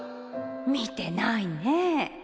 見てないねえ。